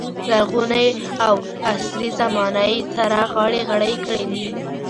لرغونې او عصري زمانه یې سره غاړه غړۍ کړې دي.